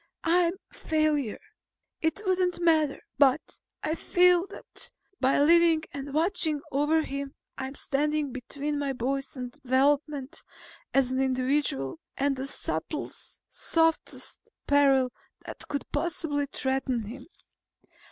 I'm a failure. It wouldn't matter. But I feel that by living and watching over him I'm standing between my boy's development as an individual, and the subtlest, softest peril that could possibly threaten him.